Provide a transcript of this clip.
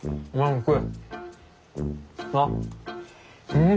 うん！